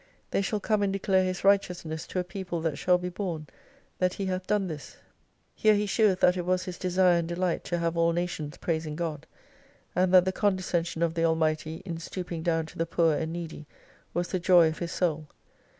They shall come and declare His righteousness to a people that shall be born, that He hath done this. Here he 2I8 sheweth that it was his desire and delight to have all Nations praising God : and that the condescension of the Almighty in stooping down to the poor and needy was the joy of his soul.